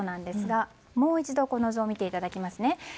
もう一度、図を見ていただきます。